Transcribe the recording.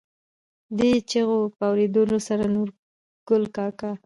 دې چېغو په اورېدو سره نورګل کاکا.